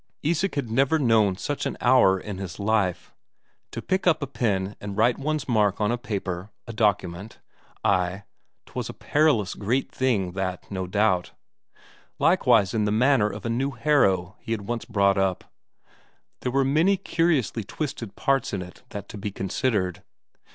Isak had never known such an hour in his life. To pick up a pen and write one's mark on a paper, a document ay, 'twas a perilous great thing that, no doubt. Likewise in the matter of a new harrow he had once brought up there were many curiously twisted parts in that to be considered.